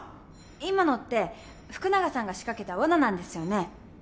今のって福永さんが仕掛けたわななんですよね？